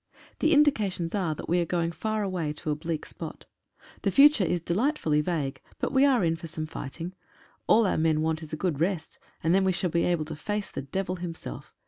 The indications are that we are going far away to a bleak spot. The future is delightfully vague, but we are in for some fighting. All our men want is a good rest, and then we shall be able to face the devil himself.